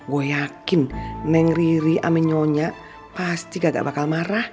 gua yakin nenek riri ama nyonya pasti gak bakal marah